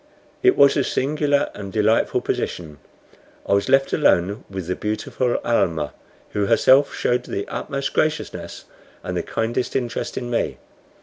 It was a singular and a delightful position. I was left alone with the beautiful Almah, who herself showed the utmost graciousness and the kindest interest in me.